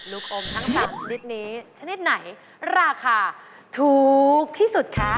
ลูกอมทั้ง๓ชนิดนี้ชนิดไหนราคาถูกที่สุดคะ